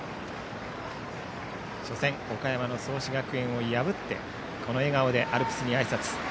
初戦、岡山の創志学園を破ってこの笑顔でアルプスにあいさつ。